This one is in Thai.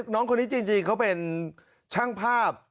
น้องคนนี้จริงเขาเป็นช่างภาพ